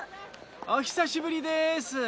おひさしぶりです。